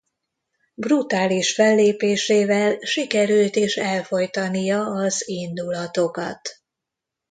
Brutális fellépésével sikerült is elfojtania az indulatokat.